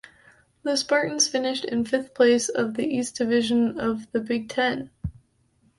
The Spartans finished in fifth place of the East Division of the Big Ten.